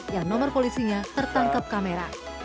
yang nomor polisinya tertangkap kamera